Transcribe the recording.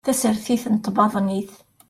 Tasertit n tbaḍnit